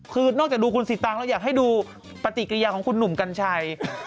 คือนอกจากดูคุณสิตังค์แล้วอยากให้ดูปฏิกิริยาของคุณหนุ่มกัญชัย